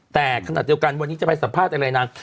แต่ขณะเดียวกันวันนี้จะไปสัมภาษณ์อะไรนาง